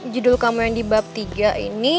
judul kamu yang di bab tiga ini